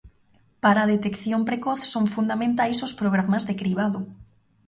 Para a detección precoz son fundamentais os programas de cribado.